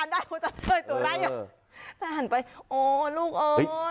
หน้าหันไปโอ้ลูกเออ